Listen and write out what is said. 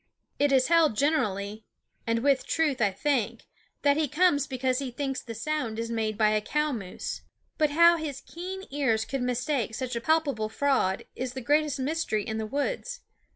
It is held generally and with truth, I think that he comes because he thinks the sound is made by a cow moose. But how his keen ears could mistake such a palpable fraud is the greatest mystery in the woods.